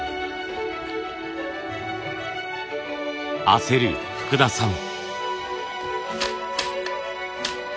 焦る福田さん。